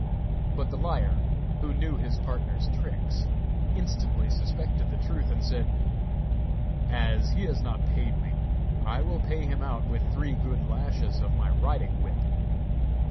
But the liar, who knew his partner's tricks, instantly suspected the truth, and said: 'As he has not paid me, I will pay him out with three good lashes of my riding whip.